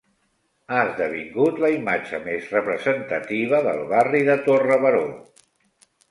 Ha esdevingut la imatge més representativa del barri de Torre Baró.